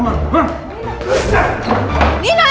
bikin gua tau sama lu